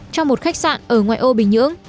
trong một khách sạn ở ngoài ô bình nhưỡng